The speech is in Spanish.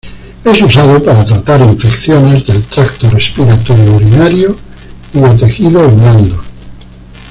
Es usado para tratar infecciones del tracto respiratorio, urinario y de tejidos blandos.